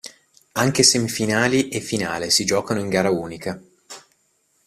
Anche semifinali e finale si giocano in gara unica.